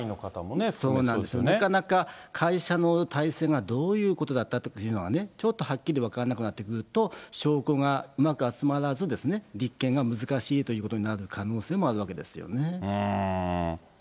そうなんですよね、なかなか会社の体制がどういうことだったかというのは、ちょっとはっきり分からなくなってくると、証拠がうまく集まらず、立件が難しいということになる可能性もあるわけですよね。